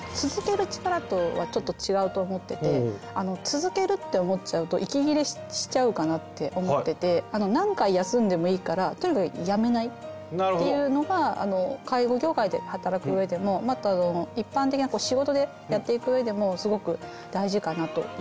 「続ける力」とはちょっとちがうと思ってて続けるって思っちゃうと息切れしちゃうかなって思ってて何回休んでもいいからとにかくやめないっていうのが介護業界で働くうえでもまたそのいっぱんてきな仕事でやっていくうえでもすごく大事かなと。